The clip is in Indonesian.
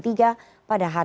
di jepang jepang dan jepang